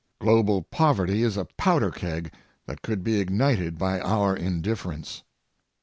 Global poverty is a powder keg that could be ignited by our indifference.